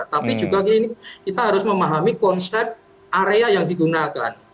tapi juga kita harus memahami konsep area yang digunakan